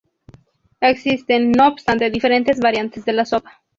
Existen no obstante diferentes variantes de la sopa.